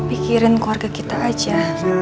pikirin keluarga kita aja